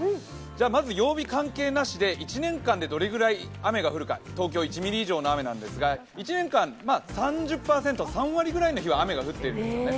まず曜日関係なしで１年間でどれぐらい雨が降るか、東京１ミリ以上の雨なんですが１年間、３０％、３割ぐらいの日は雨が降ってるんですね。